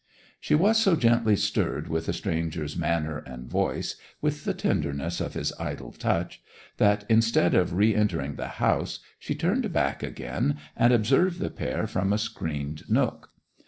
She was so gently stirred with the stranger's manner and voice, with the tenderness of his idle touch, that instead of re entering the house she turned back again and observed the pair from a screened nook.